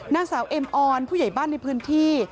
นางสาวเอ็มออนผู้ใหญ่บ้านในพื้นที่